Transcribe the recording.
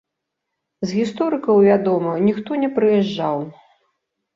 З гісторыкаў, вядома, ніхто не прыязджаў.